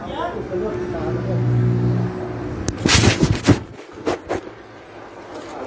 เมื่อกี้ก็ไม่มีเมื่อกี้